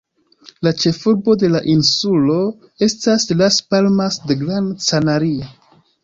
La ĉefurbo de la insulo estas Las Palmas de Gran Canaria.